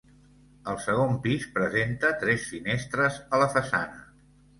El segon pis presenta tres finestres a la façana.